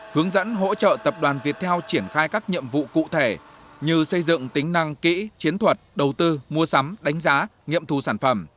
hướng dẫn hỗ trợ tập đoàn viettel triển khai các nhiệm vụ cụ thể như xây dựng tính năng kỹ chiến thuật đầu tư mua sắm đánh giá nghiệm thù sản phẩm